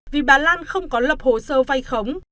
vì bà lan không có lập hồ sơ vay khống